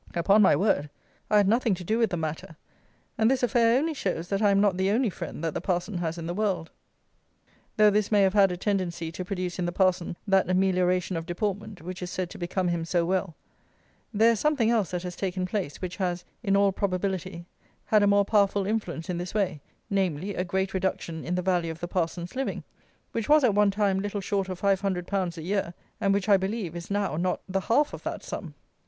Upon my word, I had nothing to do with the matter, and this affair only shows that I am not the only friend that the parson has in the world. Though this may have had a tendency to produce in the parson that amelioration of deportment which is said to become him so well, there is something else that has taken place, which has, in all probability, had a more powerful influence in this way; namely, a great reduction in the value of the parson's living, which was at one time little short of five hundred pounds a year, and which, I believe, is now not the half of that sum!